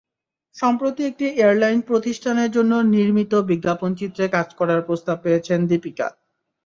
সম্প্রতি একটি এয়ারলাইন প্রতিষ্ঠানের জন্য নির্মিত বিজ্ঞাপনচিত্রে কাজ করার প্রস্তাব পেয়েছেন দীপিকা।